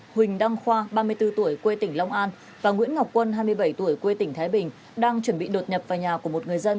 huỳnh đăng khoa ba mươi bốn tuổi quê tỉnh long an và nguyễn ngọc quân hai mươi bảy tuổi quê tỉnh thái bình đang chuẩn bị đột nhập vào nhà của một người dân